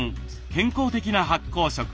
健康的な発酵食。